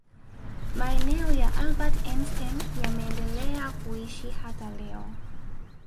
maneno ya albert einstein yameendelea kuishi hata leo